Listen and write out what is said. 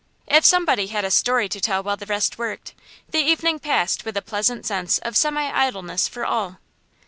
If somebody had a story to tell while the rest worked, the evening passed with a pleasant sense of semi idleness for all.